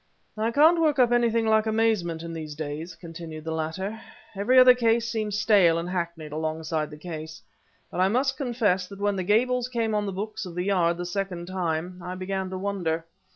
"I can't work up anything like amazement in these days," continued the latter; "every other case seems stale and hackneyed alongside the case. But I must confess that when the Gables came on the books of the Yard the second time, I began to wonder.